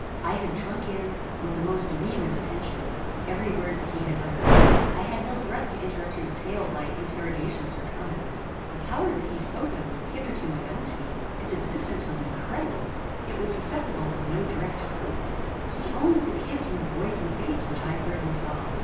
I had drunk in, with the most vehement attention, every word that he had uttered. I had no breath to interrupt his tale by interrogations or comments. The power that he spoke of was hitherto unknown to me: its existence was incredible; it was susceptible of no direct proof. He owns that his were the voice and face which I heard and saw.